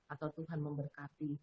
atau tuhan memberkati